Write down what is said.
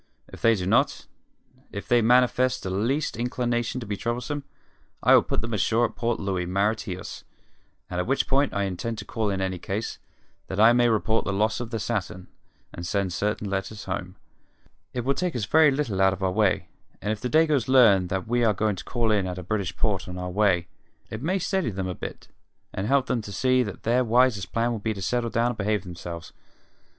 If they do not if they manifest the least inclination to be troublesome I will put them ashore at Port Louis, Mauritius, at which port I intend to call in any case, that I may report the loss of the Saturn, and send certain letters home. It will take us very little out of our way, and if the Dagoes learn that we are going to call in at a British port on our way, it may steady them a bit and help them to see that their wisest plan will be to settle down and behave themselves.